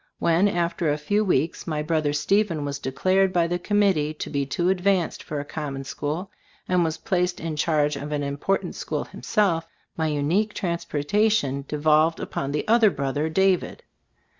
When, after a few weeks, my brother Stephen was declared by the committee to be too advanced for a common school, and was placed in charge of an im ttbe £tor£ of Ag Cbitbboob 3 * portant school himself, my unique transportation devolved upon the other brother, David.